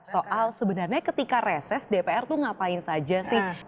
soal sebenarnya ketika reses dpr itu ngapain saja sih